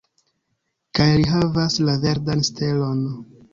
Kaj li havas la verdan stelon.